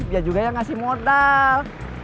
dia juga yang ngasih modal